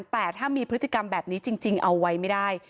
แต่ถ้ามีพฤติกรรมแบบนี้จริงเอาไว้ไม่ได้